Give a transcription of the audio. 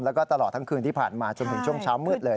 แล้วก็ตลอดทั้งคืนที่ผ่านมาจนถึงช่วงเช้ามืดเลย